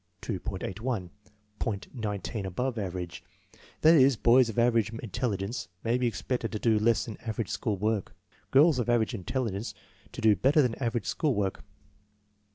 81 (.19 above "aver* age") That is, boys of average intelligence may be expected to do less than average school work, girls of average intelligence to do better than average school work.